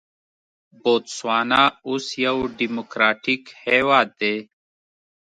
بوتسوانا اوس یو ډیموکراټیک هېواد دی.